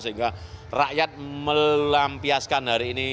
sehingga rakyat melampiaskan hari ini